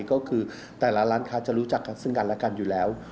ก็คือแต่ละร้านค้าจะรู้จักกันซึ่งกันและกันอยู่แล้ว